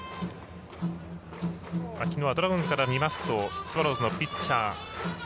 きのうはドラゴンズから見ますとスワローズのピッチャー